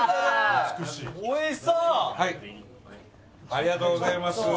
ありがとうございます。